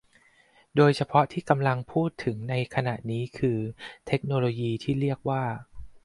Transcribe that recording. โดยเฉพาะที่กำลังเป็นที่พูดถึงในขณะนี้คือเทคโนโลยีที่เรียกว่า